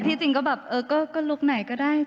จริงก็แบบเออก็ลุคไหนก็ได้